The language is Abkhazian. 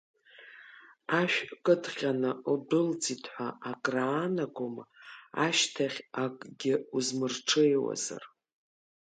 Ашә кыдҟьаны удәылҵит ҳәа акраанагома, ашьҭахь акгьы узмырҽеиуазар.